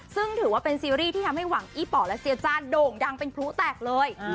ซึ่งถือว่าเป็นซีรีส์ที่ทำให้หวังอี้ป่อและเสียจ้าโด่งดังเป็นพลุแตกเลย